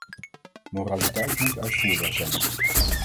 Moraliteit moet uitvoerbaar zijn.